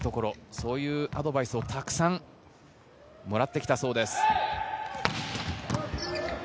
そういうアドバイスをたくさんもらってきたそうです。